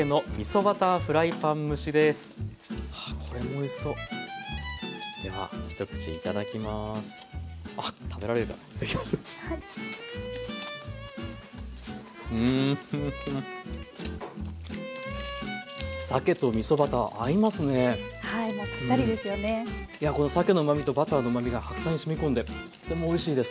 いやこのさけのうまみとバターのうまみが白菜にしみ込んでとってもおいしいです。